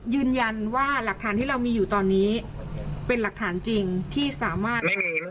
ยืนยันว่าหลักฐานที่เรามีอยู่ตอนนี้เป็นหลักฐานจริงที่สามารถ